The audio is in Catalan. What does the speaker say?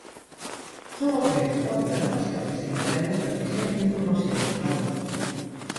Som els membres del govern els que facilitarem les peticions d’informació, ha dit.